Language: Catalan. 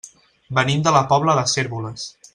Venim de la Pobla de Cérvoles.